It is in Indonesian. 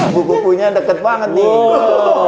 buku bukunya deket banget nih